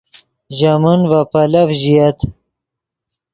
ژے من ڤے پیلف ژییت